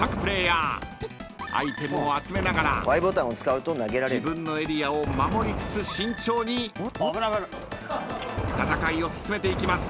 ［アイテムを集めながら自分のエリアを守りつつ慎重に戦いを進めていきます］